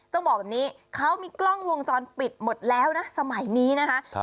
ต้องบอกแบบนี้เขามีกล้องวงจรปิดหมดแล้วนะสมัยนี้นะคะ